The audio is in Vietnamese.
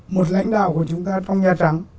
một lãnh đạo của chúng ta trong nhà trắng